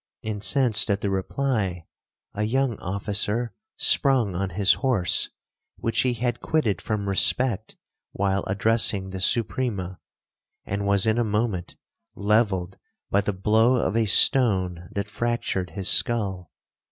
Incensed at the reply, a young officer sprung on his horse, which he had quitted from respect while addressing the Suprema, and was in a moment levelled by the blow of a stone that fractured his skull.